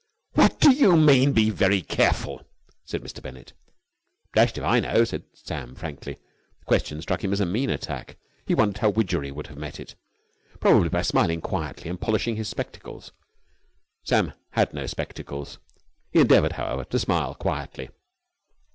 "What do you mean, be very careful?" said Mr. Bennett. "I'm dashed if I know," said Sam frankly. The question struck him as a mean attack. He wondered how Widgery would have met it. Probably by smiling quietly and polishing his spectacles. Sam had no spectacles. He endeavoured, however, to smile quietly.